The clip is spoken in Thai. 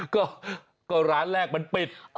ก็ก็แลกมันปิด